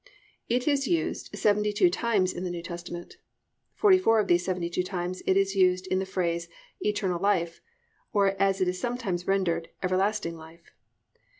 It is used 72 times in the New Testament. Forty four of these 72 times it is used in the phrase "eternal life," or as it is sometimes rendered, "everlasting life."